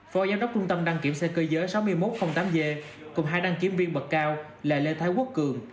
phó giám đốc trung tâm đăng kiểm xe cơ giới sáu nghìn một trăm linh tám g cùng hai đăng kiểm viên bậc cao là lê thái quốc cường